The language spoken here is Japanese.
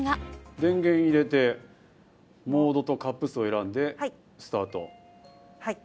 電源を入れてモードとカップ数を選んでスタート！